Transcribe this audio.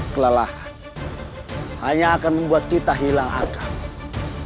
kelelahan hanya akan membuat kita hilang akal